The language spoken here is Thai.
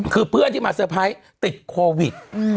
คือเพื่อนที่มาเซอร์ไพรส์ติดโควิด